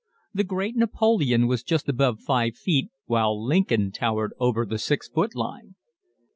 The great Napoleon was just above five feet while Lincoln towered over the six foot line.